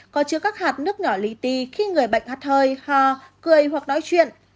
có chứa các hạt nước nhỏ lý ti khi người bệnh hát hơi hò cười hoặc nói chuyện